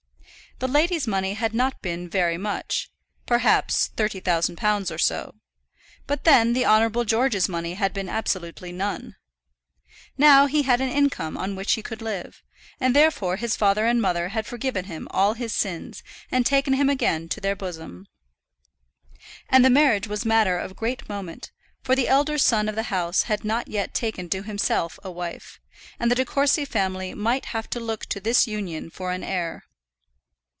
The lady's money had not been very much, perhaps thirty thousand pounds or so. But then the Honourable George's money had been absolutely none. Now he had an income on which he could live, and therefore his father and mother had forgiven him all his sins, and taken him again to their bosom. And the marriage was matter of great moment, for the elder scion of the house had not yet taken to himself a wife, and the De Courcy family might have to look to this union for an heir.